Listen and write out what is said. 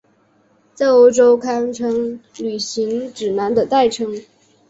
在欧美堪称旅行指南的代称。